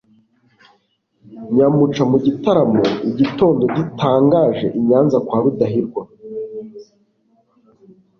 Nyamuca mu gitaramo igitondo gitangaje inyanza kwa rudahigwa